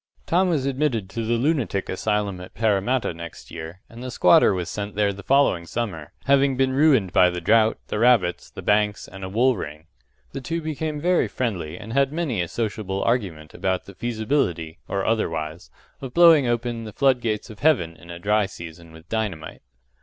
Tom was admitted to the lunatic asylum at Parramatta next year, and the squatter was sent there the following summer, having been ruined by the drought, the rabbits, the banks, and a wool ring. The two became very friendly, and had many a sociable argument about the feasibility or otherwise of blowing open the flood gates of Heaven in a dry season with dynamite.